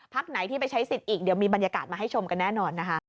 ไหนที่ไปใช้สิทธิ์อีกเดี๋ยวมีบรรยากาศมาให้ชมกันแน่นอนนะคะ